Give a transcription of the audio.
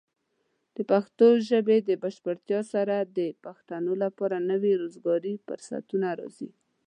د پښتو ژبې د بشپړتیا سره، د پښتنو لپاره نوي روزګاري فرصتونه راځي.